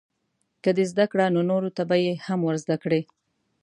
که دې زده کړه نو نورو ته به یې هم ورزده کړې.